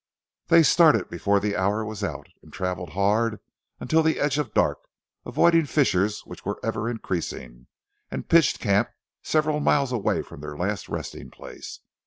They started before the hour was out; and travelled hard until the edge of dark, avoiding fissures which were ever increasing, and pitched camp several miles away from their last resting place.